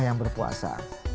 pak ayam berpuasa